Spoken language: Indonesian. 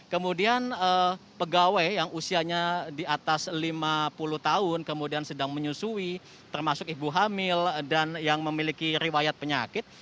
kemudian pegawai yang usianya di atas lima puluh tahun kemudian sedang menyusui termasuk ibu hamil dan yang memiliki riwayat penyakit